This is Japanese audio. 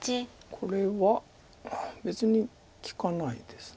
これは別に利かないです。